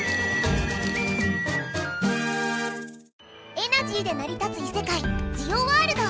エナジーでなり立ついせかいジオワールド。